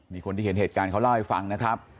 มีคนที่เห็นเหตุการณ์เขาเล่าให้ฟังนะครับ